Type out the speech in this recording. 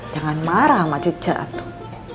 jangan marah sama cece atuh